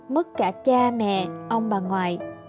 mất cả cha mẹ ông bà ngoại